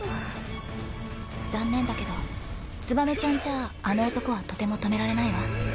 残念だけど燕ちゃんじゃああの男はとても止められないわ。